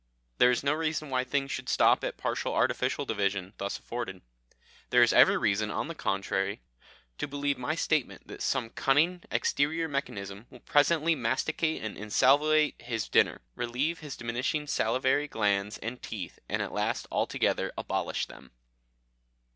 There is no reason why things should stop at partial artificial division thus afforded; there is every reason, on the contrary, to believe my statement that some cunning exterior mechanism will presently masticate and insalivate his dinner, relieve his diminishing salivary glands and teeth, and at last altogether abolish them."